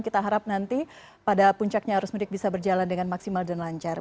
kita harap nanti pada puncaknya harus mudik bisa berjalan dengan maksimal dan lancar